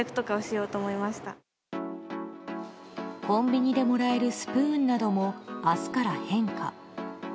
コンビニでもらえるスプーンなども明日から変化。